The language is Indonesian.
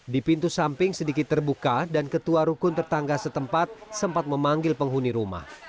di pintu samping sedikit terbuka dan ketua rukun tetangga setempat sempat memanggil penghuni rumah